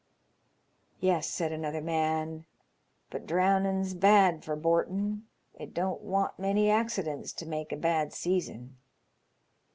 " Yes," said another man, *' but drownin's bad for bortin'. It don't want many accidents to make a bad season."